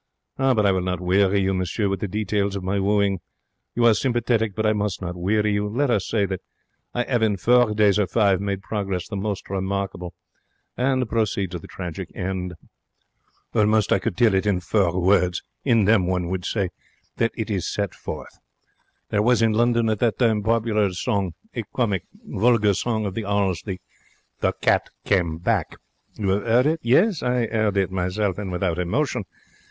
But I will not weary you, monsieur, with the details of my wooing. You are sympathetic, but I must not weary you. Let us say that I 'ave in four days or five made progress the most remarkable, and proceed to the tragic end. Almost could I tell it in four words. In them one would say that it is set forth. There was in London at that time popular a song, a comic, vulgar song of the 'Alls, 'The Cat Came Back'. You 'ave 'eard it? Yes? I 'eard it myself, and without emotion.